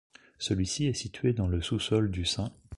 Celui-ci est situé dans le sous-sol du St.